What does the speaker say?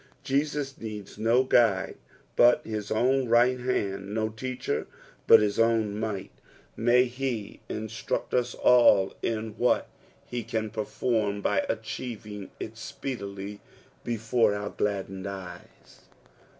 Jesus needs no elide but his own right band, no teacher but his owo mi^lit ; may be struct us all in what he can pprform, by achieving it speedily before oar gladdened eyes.